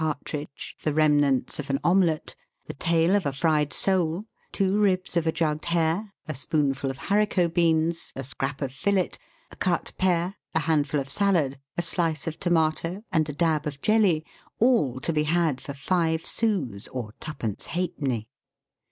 291 partridge, the remnants of an omelette, the tail of a fried sole, two ribs of a jugged hare, a spoonful of haricot beans, a scrap of filet, a cut pear, a handful of salad, a slice of tomato, and a dab of jelly, all to be had for five sous, or twopence halfpenny